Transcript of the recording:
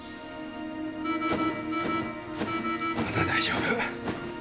まだ大丈夫。